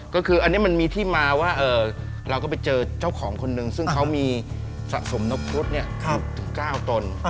ก็คืออันนี้มันมีที่มาว่าเราก็ไปเจอเจ้าของคนนึงซึ่งเขามีสะสมนกครุฑถึง๙ตน